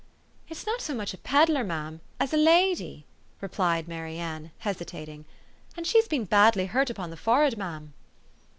"It's not so much a peddler, ma'am, as a lady," replied Mary Ann, hesitating ;" and she's been badly hurt upon the forehead, ma'am."